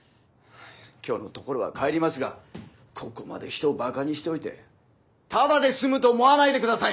今日のところは帰りますがここまで人をバカにしておいてただで済むと思わないで下さいね。